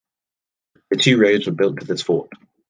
Two roads were built to this fort.